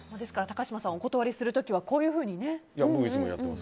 高嶋さん、お断りする時はこういうふうにね。